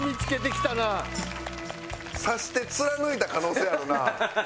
刺して貫いた可能性あるな。